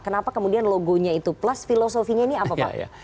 kenapa kemudian logonya itu plus filosofinya ini apa pak